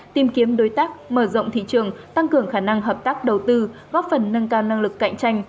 tìm kiếm đối tác mở rộng thị trường tăng cường khả năng hợp tác đầu tư góp phần nâng cao năng lực cạnh tranh